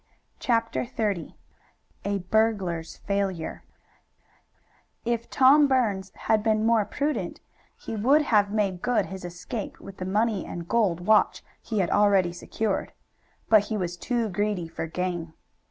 CHAPTER XXX A BURGLAR'S FAILURE If Tom Burns had been more prudent, he would have made good his escape with the money and gold watch he had already secured. But he was too greedy for gain.